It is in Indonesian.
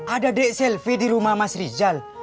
ada dek selfie di rumah mas rizal